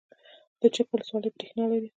د چک ولسوالۍ بریښنا لري